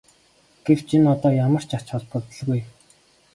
Гэвч энэ одоо ямар ч ач холбогдолгүй.